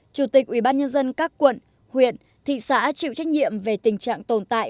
chủ tịch ủy ban nhân dân các quận huyện thị xã chịu trách nhiệm về tình trạng tồn tại